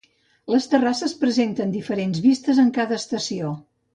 Les terrasses presenten diferents vistes en cada estació.